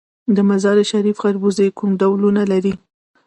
د مزار شریف خربوزې کوم ډولونه لري؟